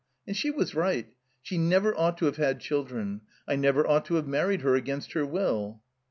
And she was right. She never ought to have had children. I never ought to have married her — against her will."